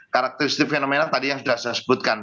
karakteristik fenomenal tadi yang sudah saya sebutkan